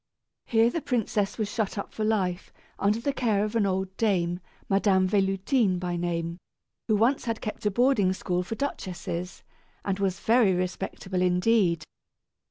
Here the princess was shut up for life, under the care of an old dame, Madame Véloutine by name, who once had kept a boarding school for duchesses, and was very respectable indeed.